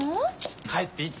帰っていいって。